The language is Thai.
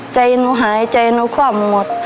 ใจหนูหายใจแล้วความหมด